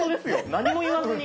何も言わずに。